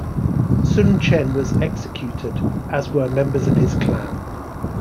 Sun Chen was executed, as were members of his clan.